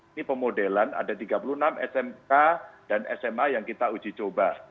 ini pemodelan ada tiga puluh enam smk dan sma yang kita uji coba